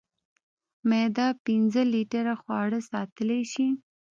معده پنځه لیټره خواړه ساتلی شي.